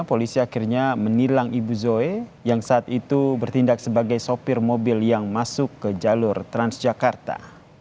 polisi akhirnya menilang ibu zoe yang saat itu bertindak sebagai sopir mobil yang masuk ke jalur transjakarta